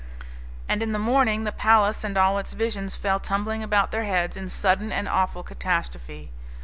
And in the morning the palace and all its visions fell tumbling about their heads in sudden and awful catastrophe.